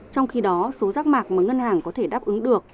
trong khi đó số rác mạc mà ngân hàng có thể đáp ứng được